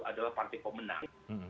adalah partai pemenang